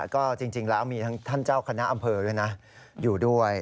ก็จริงแล้วมีท่านเจ้าคณะอำเภออยู่ด้วย